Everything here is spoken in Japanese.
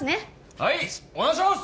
はいお願いします